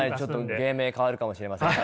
芸名変わるかもしれませんが。